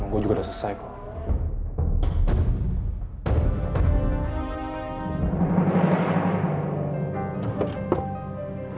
gue juga udah selesai kok